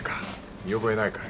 見覚えないかい？